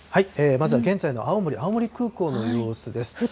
まずは現在の青森・青森空港の様子です。